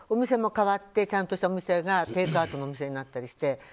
ちゃんとしたお店がテイクアウトのお店になったりして。